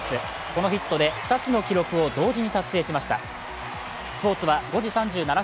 このヒットで２つの記録を同時に達成しました。